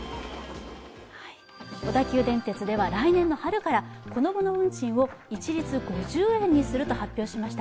小田急電鉄では来年春からこども運賃を一律５０円にすると発表しました。